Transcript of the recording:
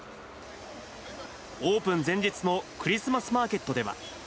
オープン前日のクリスマスマーケットでは。